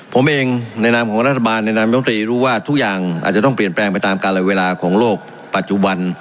ผมเองในนามของรัฐบาลในนามยมตรีรู้ว่าทุกอย่างอาจจะต้องเปลี่ยนแปลงไปตามการละเวลาของโลกปัจจุบัน